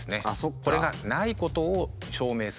これがないことを証明する。